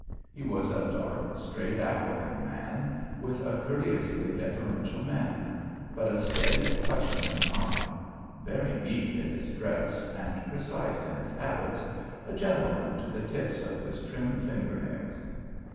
He was a dark, straight, aquiline man, with a courteously deferential manner, but a steady, questioning eye; very neat in his dress and precise in his habits, a gentleman to the tips of his trim fingernails.